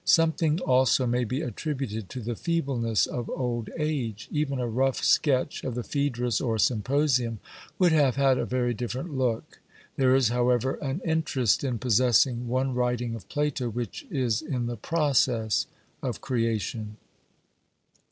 Something also may be attributed to the feebleness of old age. Even a rough sketch of the Phaedrus or Symposium would have had a very different look. There is, however, an interest in possessing one writing of Plato which is in the process of creation.